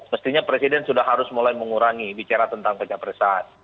mestinya presiden sudah harus mulai mengurangi bicara tentang pencapresan